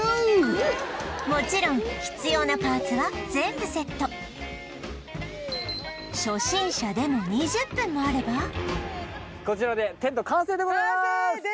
もちろん必要なパーツは全部セット初心者でも２０分もあればこちらでテント完成でございまーす完成！